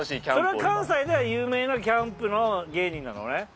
それは関西では有名なキャンプの芸人なのね？